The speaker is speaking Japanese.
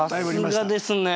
さすがですね。